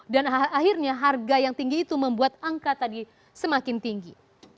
dan akhirnya harga yang tinggi itu membuat angka tadi semakin tinggi